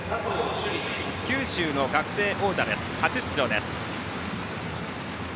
主理、九州の学生王者で初出場です。